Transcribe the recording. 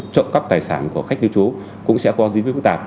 trộm cắp tài sản của khách đối chú cũng sẽ có dĩ nhiên phức tạp